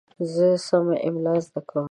زه سمه املا زده کوم.